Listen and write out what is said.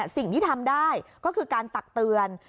สิ่งที่ทำได้ก็คือการตักเตือน